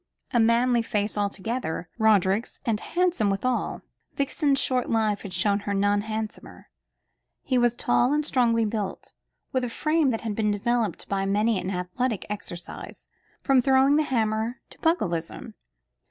A manly face altogether, Roderick's, and handsome withal. Vixen's short life had shown her none handsomer. He was tall and strongly built, with a frame that had been developed by many an athletic exercise from throwing the hammer to pugilism.